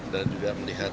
dan juga melihat